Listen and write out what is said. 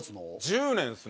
１０年ですね